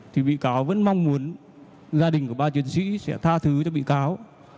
thì bị cáo vẫn mong muốn gia đình của ba chiến sĩ sẽ tha thứ cho bị cáo